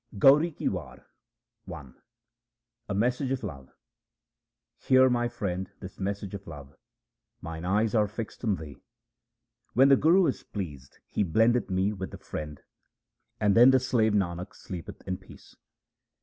Gauri ki War I A message of love :— Hear, my Friend, this message of love ; mine eyes are fixed on Thee. When the Guru is pleased he blendeth me with the Friend, and then the slave Nanak sleepeth in peace.